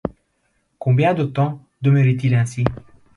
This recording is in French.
Combien de temps demeuraient-ils ainsi?